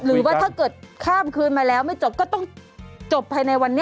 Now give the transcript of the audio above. หรือว่าถ้าเกิดข้ามคืนมาแล้วไม่จบก็ต้องจบภายในวันนี้